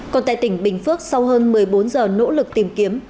còn tại tỉnh bình phước sau hơn một mươi bốn giờ nỗ lực tìm kiếm